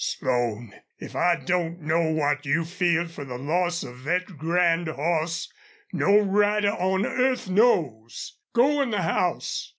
"Slone, if I don't know what you feel fer the loss of thet grand hoss, no rider on earth knows! ... Go in the house.